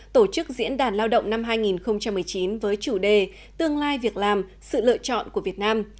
tổ chức diễn đàn lao động năm hai nghìn một mươi chín với chủ đề tương lai việc làm sự lựa chọn của việt nam